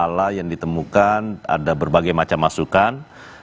masalah yang ditemukan ada berbagai macam masukan